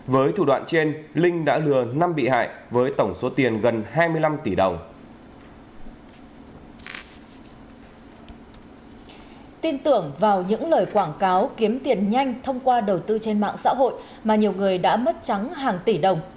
với thủ đoạn trên linh đã lừa năm bị hại với tổng số tiền gần hai mươi năm tỷ đồng